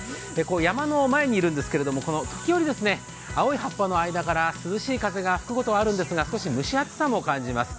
山の前にいるんですけれども時折、青い葉っぱの中から涼しい風が吹くことはあるんですが、少し蒸し暑さも感じます。